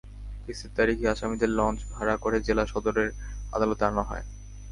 কেসের তারিখে আসামিদের লঞ্চ ভাড়া করে জেলা সদরের আদালতে আনা হয়।